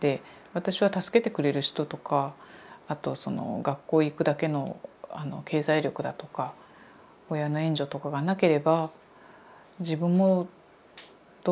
私は助けてくれる人とかあと学校へ行くだけの経済力だとか親の援助とかがなければ自分もどうなってたか分からないっていうか。